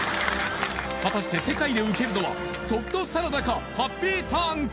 果たして世界でウケるのはソフトサラダかハッピーターンか